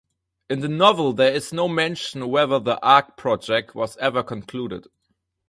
In the novel there is no mention whether the "Ark Project" was ever concluded.